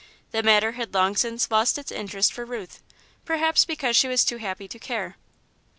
The matter had long since lost its interest for Ruth perhaps because she was too happy to care.